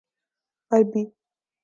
عربی